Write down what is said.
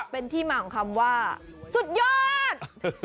เป็นที่มาของคำว่าสุดยอด